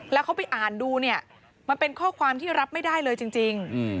แล้วเขาไปอ่านดูเนี่ยมันเป็นข้อความที่รับไม่ได้เลยจริง